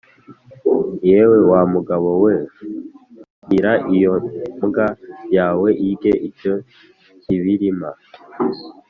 yewe wa mugabo we, bwira iyo mbwa yawe irye icyo kibirima